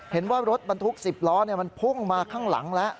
เห็นว่ารถบรรทุก๑๐ล้อมันพุ่งมาข้างหลังแล้ว